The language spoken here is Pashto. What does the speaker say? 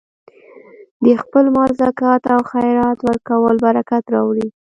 د خپل مال زکات او خیرات ورکول برکت راوړي.